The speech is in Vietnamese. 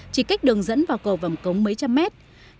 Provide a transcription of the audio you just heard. chỉ cách đường dẫn vào cầu vằm cống mấy trăm mét